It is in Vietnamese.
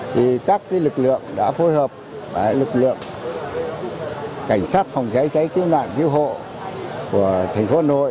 thì các lực lượng đã phối hợp lực lượng cảnh sát phòng cháy cháy cứu nạn cứu hộ của thành phố hà nội